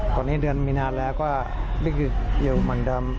ก่อนนี้เดือนมีนานแล้วก็ไม่คืออยู่เหมือนเดิม